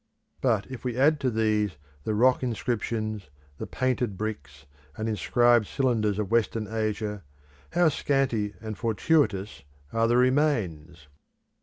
But if we add to these the rock inscriptions, the printed bricks, and inscribed cylinders of Western Asia, how scanty and fortuitous are the remains!